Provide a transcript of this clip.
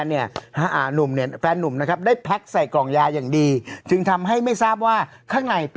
แล้วก็สุดเบอร์ใหญ่ด้วยค่ะ